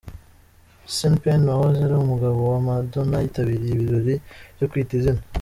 Sean Penn wahoze ari umugabo wa Madonna yitabiriye ibirori byo Kwita Izina